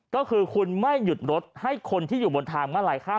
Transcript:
ก็คือคุณไม่หยุดรถให้คนที่อยู่บนทางเมื่อไหลข้าม